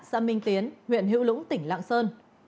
xã minh tiến huyện hữu lũng tỉnh lạng sơn